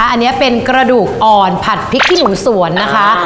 อันนี้เป็นกระดูกอ่อนผัดพริกขี้หนูสวนนะคะ